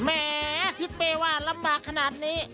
แม่ทิสเปย์ว่ารำบากขนาดนี้